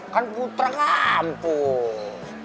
kan putra kampus